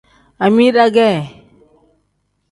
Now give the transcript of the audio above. Amida ge.